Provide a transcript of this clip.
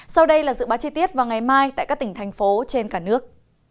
sau đây là dự báo chi tiết vào ngày mai tại các tỉnh thành phố trên cả nước